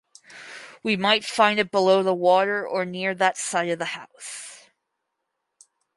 We might find it below the water, or near that side of the house.